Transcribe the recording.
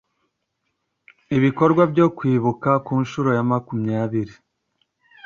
Ibikorwa byo kwibuka ku nshuro ya makumyabiri